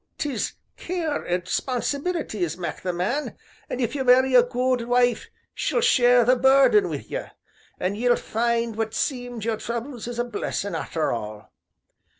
"'Tis care and 'sponsibility as mak' the man, an' if you marry a good wife she'll share the burden wi' ye, an' ye'll find what seemed your troubles is a blessin' arter all.